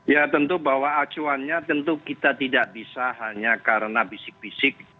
ya tentu bahwa acuannya tentu kita tidak bisa hanya karena bisik bisik